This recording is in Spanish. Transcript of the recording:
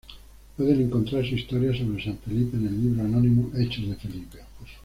Pueden encontrarse historias sobre san Felipe en el libro anónimo "Hechos de Felipe".